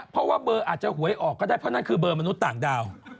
เพราะว่าเบอร์อาจจะหวยออกก็ได้เพราะนั่นคือเบอร์มนุษย์ต่างดาว